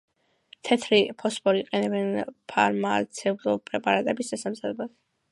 თეთრი ფოსფორს იყენებენ ფარმაცევტული პრეპარატების დასამზადებლად.